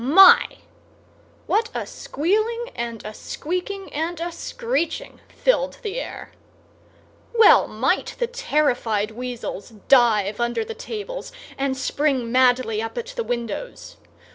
My! What a squealing and a squeaking and a screeching filled the air! Well might the terrified weasels dive under the tables and spring madly up at the windows!